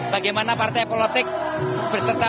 bagaimana partai politik bersertai